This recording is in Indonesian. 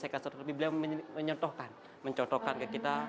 tinggal saya kasih otot ke beliau menyontohkan mencontohkan ke kita